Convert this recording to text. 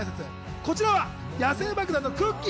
こちらは野性爆弾のくっきー！